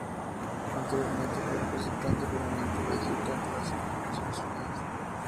Anteriormente, fue Representante Permanente de Egipto ante las Naciones Unidas.